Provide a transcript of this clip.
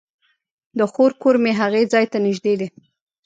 د خور کور مې هغې ځای ته نژدې دی